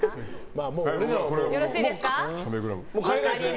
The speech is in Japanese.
よろしいですか。